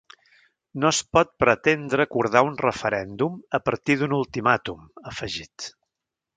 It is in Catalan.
No es pot pretendre acordar un referèndum a partir d’un ultimàtum, ha afegit.